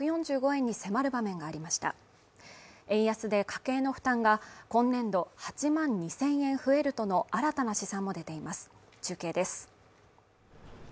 円安で家計の負担が今年度８万２０００円増えるとの新たな試算も出ています中継です